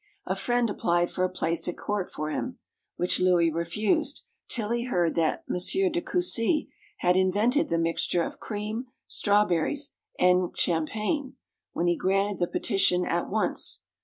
A friend applied for a place at court for him, which Louis refused, till he heard that M. de Cussy had invented the mixture of cream, strawberries, and champagne, when he granted the petition at once.